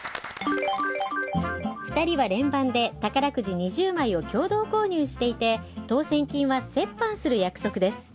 ２人は連番で宝くじ２０枚を共同購入していて当せん金は折半する約束です。